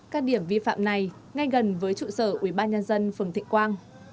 các điểm vi phạm này ngay gần với trụ sở ubnd phường thịnh quang